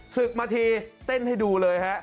ศึกมาทีเต้นให้ดูเลยฮะ